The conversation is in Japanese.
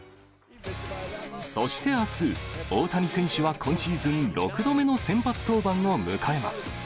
そしてあす、大谷選手は今シーズン６度目の先発登板を迎えます。